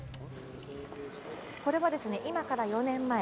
これは今から４年前。